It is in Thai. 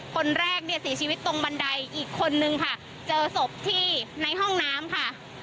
คนแรกเนี่ยเสียชีวิตตรงบันไดอีกคนนึงค่ะเจอศพที่ในห้องน้ำค่ะ